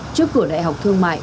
trước cửa đại học thương mại